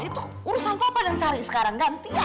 itu urusan papa yang cari sekarang ganti ya